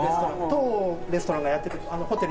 当レストランがやっててホテルがやってる。